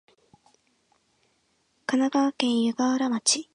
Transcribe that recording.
神奈川県湯河原町